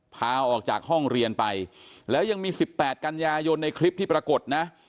พาออกจากห้องเรียนไปแล้วยังมี๑๘กันยายนในคลิปที่ปรากฏนะ